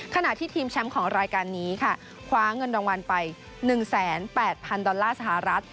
ขณะที่ทีมแชมป์ของรายการนี้ค่ะคว้าเงินรางวัลไป๑๘๐๐๐ดอลลาร์สหรัฐ